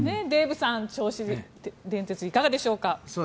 デーブさん、銚子電鉄いかがでしょうか。